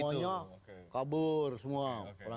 semuanya kabur semua